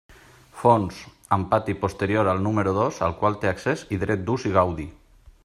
Fons: amb pati posterior al número dos al qual té accés i dret d'ús i gaudi.